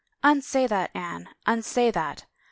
" Unsay that, Anne, unsay that.